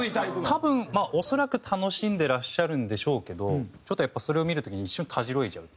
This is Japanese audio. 多分恐らく楽しんでいらっしゃるんでしょうけどちょっとやっぱそれを見る時に一瞬たじろいじゃう。